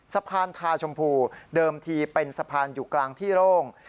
สะพานทาชมพูเดิมทีเป็นสะพานอยู่กลางที่โร่ง